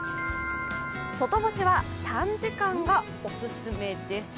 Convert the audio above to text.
外干しは短時間がおすすめです。